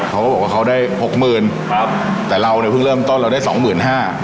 เขาก็บอกว่าเขาได้๖๐๐๐๐บาทแต่เราเนี่ยเพิ่งเริ่มต้นเราได้๒๕๐๐๐บาท